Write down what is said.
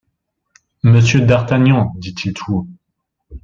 Monsieur d'Artagnan ! dit-il tout haut.